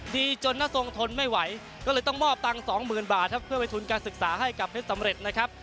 ดีจนน้าทรงทนไม่ไหวก็เลยต้องมอบตังค์สองหมื่นบาทครับเพื่อไปทุนการศึกษาให้กับเพชรสำเร็จนะครับ